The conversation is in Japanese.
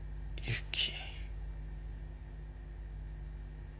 ユキ。